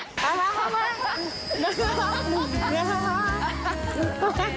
ハハハハ！